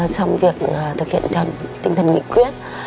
trong việc thực hiện theo tinh thần nghị quyết